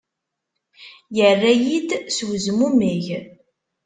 Yerra-iyi-d s uzmummeg.